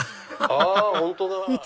あ本当だ。